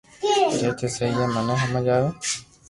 جي تو سھيي ھي مني ھمج آوي